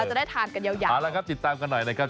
จะได้ทานกันยาวเอาละครับติดตามกันหน่อยนะครับ